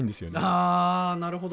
あなるほど！